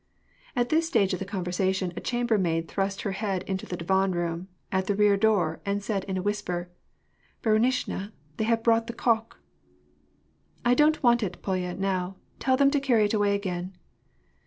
At this stage of the conversation, a chambermaid thrust her head into the divan room, at the rear door, and said, in a whisper, — "Baruishnya, they have brought the cock." "I don't want it, Polya, now; tell them to carry it away again."